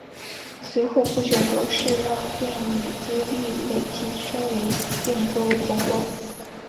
随后不久刘世让便以资历累积升为并州总管。